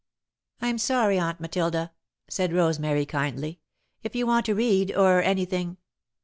"I'm sorry, Aunt Matilda," said Rosemary, kindly, "if you want to read, or anything